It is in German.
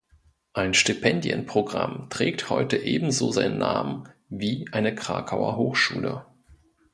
Ein Stipendienprogramm trägt heute ebenso seinen Namen wie eine Krakauer Hochschule.